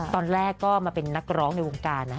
ตอนแรกก็มาเป็นนักร้องในวงการนะฮะ